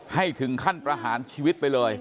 ให้ถึงขั้นประหารชีวิตไปเลย